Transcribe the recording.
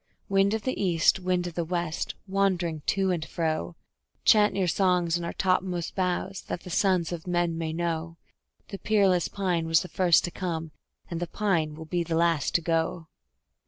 Wind of the East, Wind of the West, wandering to and fro, Chant your songs in our topmost boughs, that the sons of men may know The peerless pine was the first to come, and the pine will be last to go!